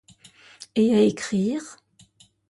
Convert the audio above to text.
Et à écrire ?